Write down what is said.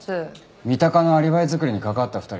三鷹のアリバイ作りに関わった２人は？